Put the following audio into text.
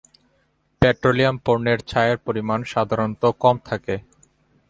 Petroleum পণ্যের ছাইয়ের পরিমাণ সাধারণত কম থাকে।